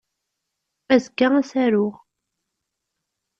Azekka ad as-aruɣ.